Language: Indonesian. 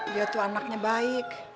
dia tuh anaknya baik